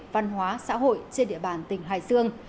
văn hóa xã hội trên địa bàn tỉnh hải dương